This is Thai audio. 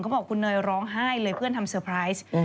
บอกคุณเนยร้องไห้เลยเพื่อนทำเซอร์ไพรส์